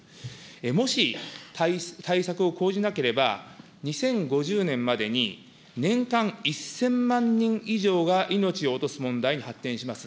もし対策を講じなければ、２０５０年までに年間１０００万人以上が命を落とす問題に発展します。